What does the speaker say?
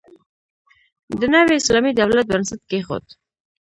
د نوي اسلامي دولت بنسټ کېښود.